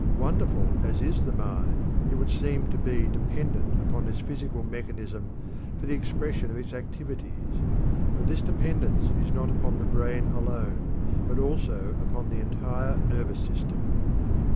Wonderful as is the mind, it is seen to be dependent upon this physical mechanism for the expression of its activities. And this dependence is not upon the brain alone, but also upon the entire nervous system.